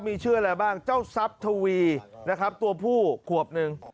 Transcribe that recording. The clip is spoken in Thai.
มีชื่ออะไรบ้างเจ้าทรัพย์ทวีนะครับตัวผู้ขวบหนึ่ง